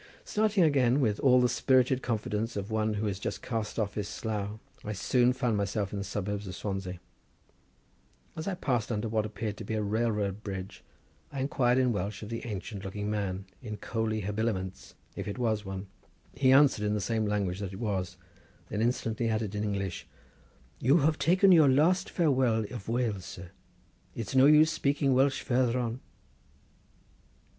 Starting again with all the spirited confidence of one who has just cast off his slough, I soon found myself in the suburbs of Swansea. As I passed under what appeared to be a railroad bridge I inquired in Welsh of an ancient looking man, in coaly habiliments, if it was one. He answered in the same language that it was, then instantly added in English— "You have taken your last farewell of Wales, sir; it's no use speaking Welsh farther on."